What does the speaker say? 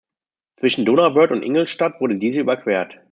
Zwischen Donauwörth und Ingolstadt wurde diese überquert.